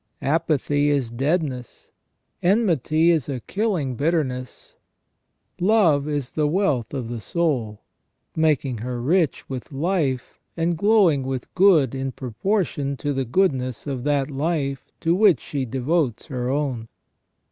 Apathy is deadness, enmity is a killing bitterness, love is the wealth of the soul, making her rich with life and glowing with good in proportion to the goodness of that life to which she devotes her own.